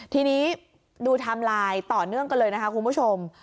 ทีนี้ดูไทม์ไลน์ต่อเนื่องกันเลยนะคะคุณผู้ชม